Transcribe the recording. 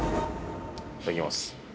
いただきます。